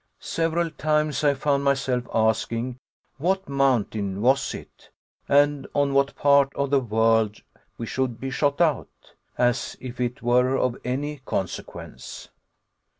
Several times I found myself asking, what mountain was it, and on what part of the world we should be shot out. As if it were of any consequence!